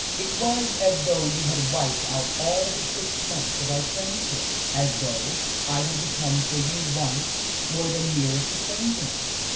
It was as though you had wiped out all the six months of our friendship; as though I had become for you once more the merest acquaintance.